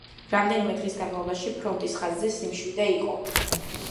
რამდენიმე დღის განმავლობაში ფრონტის ხაზზე სიმშვიდე იყო.